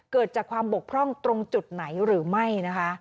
เกิดจากความบกพร่องตรงจุดไหนหรือไม่นะคะ